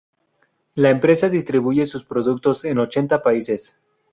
La empresa distribuye sus productos en ochenta países.